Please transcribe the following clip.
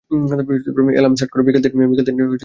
Alarm set করো, বিকাল তিন টায় মিটিং আছে।